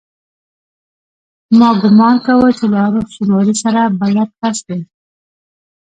ما ګومان کاوه چې له عارف شینواري سره بلد کس دی.